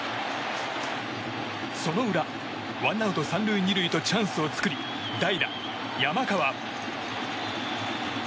その裏、ワンアウト３塁２塁とチャンスを作り代打、山川。